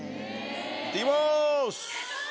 いってきます！